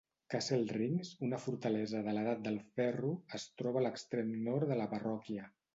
Castle Rings, una fortalesa de l'Edat del Ferro, es troba a l'extrem nord de la parròquia.